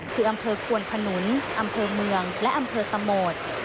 คืออำเภอควนขนุนอำเภอเมืองและอำเภอตะโหมด